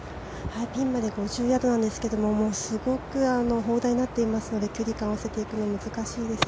ピンまで５０ヤードですが、すごく砲台になっていますので距離感を合わせていくのが難しいです。